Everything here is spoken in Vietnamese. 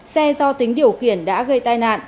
xe do tính điều khiển đã gây tai nạn